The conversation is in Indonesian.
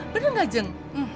bener gak jeng